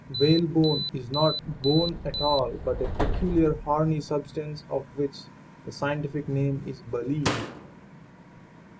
WHALEBONE is not bone at all but a peculiar horny substance of which the scientific name is baleen.